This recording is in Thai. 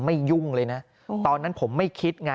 แม่พึ่งจะเอาดอกมะลิมากราบเท้า